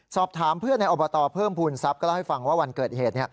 สอบถามเพื่อนในอบตเพิ่มภูมิทรัพย์ก็เล่าให้ฟังว่าวันเกิดเหตุ